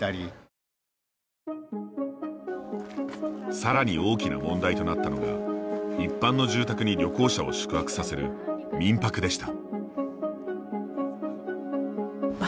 さらに大きな問題となったのが一般の住宅に旅行者を宿泊させる民泊でした。